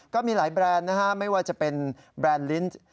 ก็มีหลายแบรนด์นะฮะไม่ว่าจะเป็นแบรนด์ลิ้น